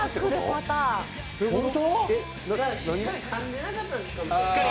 かんでなかったんですか。